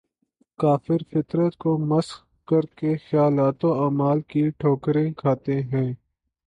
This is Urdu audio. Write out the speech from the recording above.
کافر فطرت کو مسخ کر کے خیالات و اعمال کی ٹھوکریں کھاتے ہیں